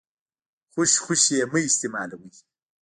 خوشې خوشې يې مه استيمالوئ.